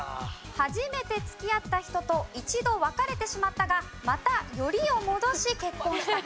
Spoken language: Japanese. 初めて付き合った人と一度別れてしまったがまたよりを戻し結婚した方も含みます。